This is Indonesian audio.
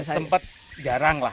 sempat jarang lah